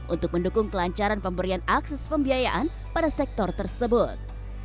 untuk mendukung kelancaran pemberian akses pembiayaan pada sektor tersebut